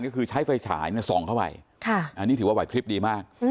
ก็คือใช้ไฟฉายส่องเข้าไปอันนี้ถือว่าไหวพลิบดีมาก